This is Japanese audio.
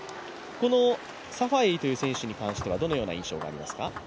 このサファエイという選手に関してはどのような印象がありますか？